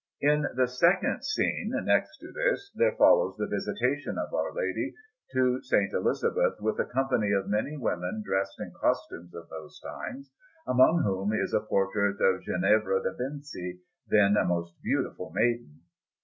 In the second scene, next to this, there follows the Visitation of Our Lady to S. Elizabeth, with a company of many women dressed in costumes of those times, among whom is a portrait of Ginevra de' Benci, then a most beautiful maiden.